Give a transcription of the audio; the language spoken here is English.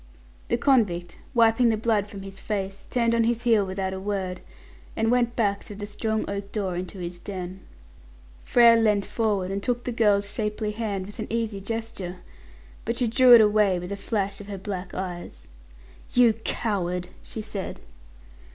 The convict, wiping the blood from his face, turned on his heel without a word, and went back through the strong oak door into his den. Frere leant forward and took the girl's shapely hand with an easy gesture, but she drew it away, with a flash of her black eyes. "You coward!" she said.